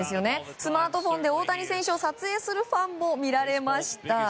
スマートフォンで大谷選手を撮影するファンも見られました。